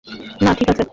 না, ঠিক আছে।